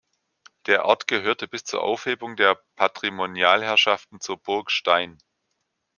Der Ort gehörte bis zur Aufhebung der Patrimonialherrschaften zur Burg Stein.